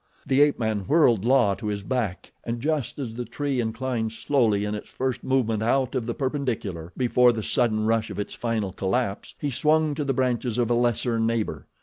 The ape man whirled La to his back and just as the tree inclined slowly in its first movement out of the perpendicular, before the sudden rush of its final collapse, he swung to the branches of a lesser neighbor.